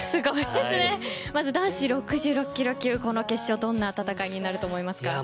男子６６キロ級この決勝はどんな戦いになると思いますか。